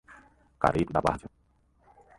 Careiro da Várzea